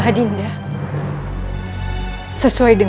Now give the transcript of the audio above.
ada kepol disini